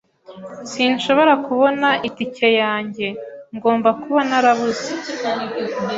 Sinshobora kubona itike yanjye. Ngomba kuba narabuze.